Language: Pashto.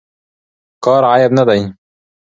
کار عیب نه دی.